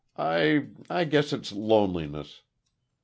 I I guess it's loneliness.